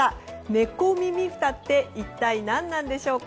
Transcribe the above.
猫耳ふたって一体何なのでしょうか。